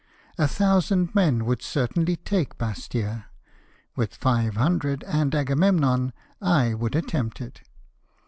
A thousand men would certainly take Bastia ; with live hundred and Agaviemno7i I would attempt it.